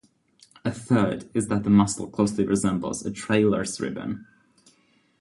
A third is that the muscle closely resembles a tailor's ribbon.